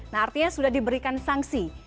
nah artinya sudah diberikan sanksi